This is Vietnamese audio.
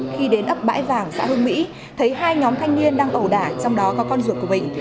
khi đến ấp bãi vàng xã hương mỹ thấy hai nhóm thanh niên đang ẩu đả trong đó có con ruột của bình